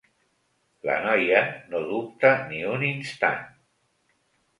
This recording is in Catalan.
La noia no dubta ni un instant.